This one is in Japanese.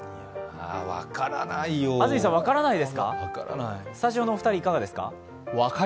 分からないよ、分からないスタジオのお二人いかがですか？